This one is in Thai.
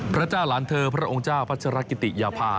พระเจ้าหลานเธอพระองค์เจ้าพัชรกิติยาภา